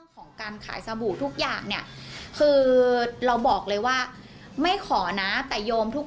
ของการขายสบู่ทุกอย่างเนี่ยคือเราบอกเลยว่าไม่ขอนะแต่โยมทุก